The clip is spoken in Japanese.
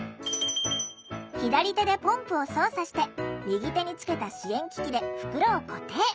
左手でポンプを操作して右手につけた支援機器で袋を固定。